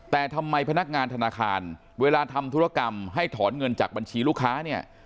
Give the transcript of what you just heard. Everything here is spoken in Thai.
แต่ทำไมพนักงานธนาคารเวลาทำธุรกรรมให้ถอนเงินจากบัญชีลูกค้าเนี่ย